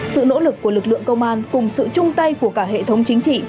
sự nỗ lực của lực lượng công an cùng sự chung tay của cả hệ thống chính trị